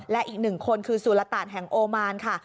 และอีกหนึ่งคนคือสุรตานแห่งโอมานค่ะ